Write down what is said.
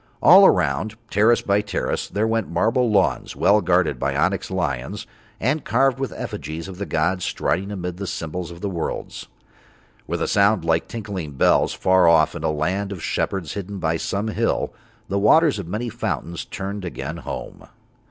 All around, terrace by terrace, there went marble lawns well guarded by onyx lions and carved with effigies of all the gods striding amid the symbols of the worlds. With a sound like tinkling bells, far off in a land of shepherds hidden by some hill, the waters of many fountains turned again home.